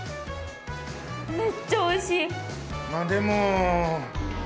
めっちゃおいしい。